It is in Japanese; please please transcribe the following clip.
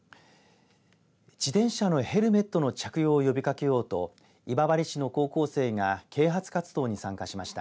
自転車のヘルメットの着用を呼び掛けようと今治市の高校生が啓発活動に参加しました。